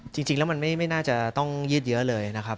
จริงแล้วมันไม่น่าจะต้องยืดเยอะเลยนะครับ